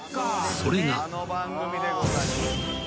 それが］